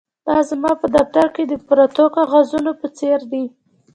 دا زما په دفتر کې د پرتو کاغذونو په څیر دي